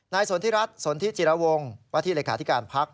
นายสนทิรัทธ์สนทิจิรวงธ์วาธิลิกาธิการภาค